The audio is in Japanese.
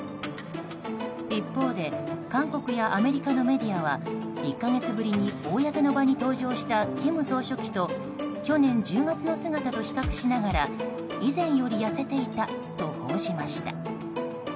一方で、韓国やアメリカのメディアは１か月ぶりに公の場に登場した金総書記と去年１０月の姿と比較しながら以前より痩せていたと報じました。